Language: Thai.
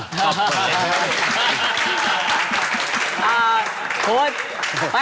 ครับ